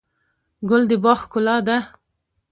ګل د باغ ښکلا ده.